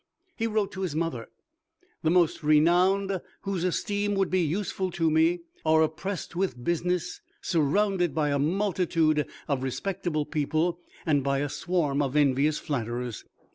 He wrote to his mother, "The most renowned, whose esteem would be useful to me, are oppressed with business, surrounded by a multitude of respectable people, and by a swarm of envious flatterers.